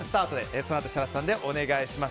そのあと、設楽さんでお願いします。